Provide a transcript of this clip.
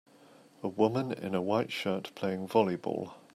A woman in a white shirt playing volleyball.